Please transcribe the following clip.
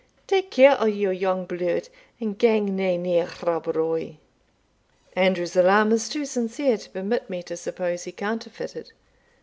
take care o' your young bluid, and gang nae near Rob Roy!" Andrew's alarm was too sincere to permit me to suppose he counterfeited.